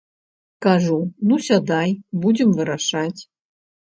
Кажу, ну сядай, будзем вырашаць.